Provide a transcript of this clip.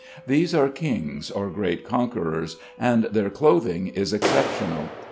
These are kings or great conquerors, and their clothing is exceptional.